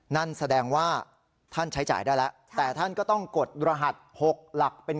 นั่นแสดงว่าท่านใช้จ่ายได้แล้ว